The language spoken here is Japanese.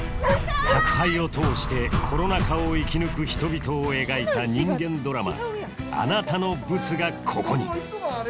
宅配を通してコロナ禍を生き抜く人々を描いた人間ドラマ「あなたのブツが、ここに」